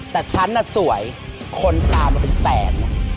แต่ฉันน่ะสวยคนตามมาเป็นแสน